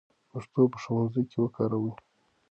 پښتو په ښوونځي کې وکاروئ.